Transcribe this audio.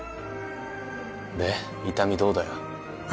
で痛みどうだよ？